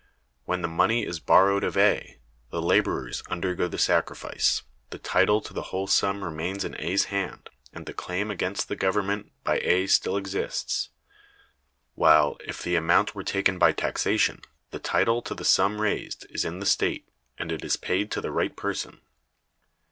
When the money is borrowed of A, the laborers undergo the sacrifice, the title to the whole sum remains in A's hands, and the claim against the Government by A still exists; while, if the amount were taken by taxation, the title to the sum raised is in the state, and it is paid to the right person.